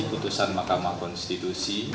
putusan mahkamah konstitusi